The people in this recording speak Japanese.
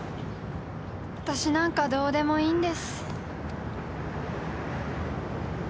わたしなんかどうでもいいんです。